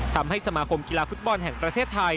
สมาคมกีฬาฟุตบอลแห่งประเทศไทย